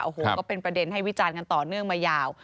โอ้โหก็เป็นประเด็นให้วิจารณ์กันต่อเนื่องมายาว